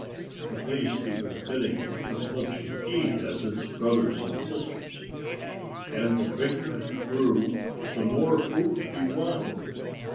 At last he was getting as much to eat as his brothers and sisters. And the bigger he grew, the more food he wanted.